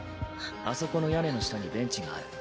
あそこの屋根の下にベンチがある。